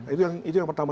itu yang pertama